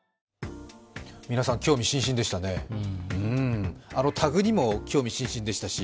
皆さん、興味津々でしたね。